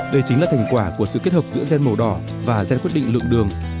đây chính là thành quả của sự kết hợp giữa gen màu đỏ và gen quyết định lượng đường